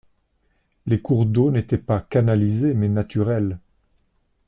Les cours d’eaux n’étaient pas canalisés mais naturels.